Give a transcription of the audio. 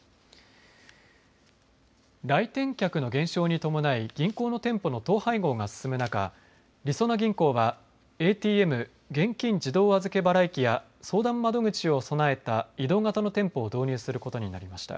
来店客の減少に伴い銀行の店舗の統廃合が進む中、りそな銀行はＡＴＭ・現金自動預け払い機や相談窓口を備えた移動型の店舗を導入することになりました。